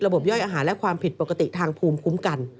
ย่อยอาหารและความผิดปกติทางภูมิคุ้มกัน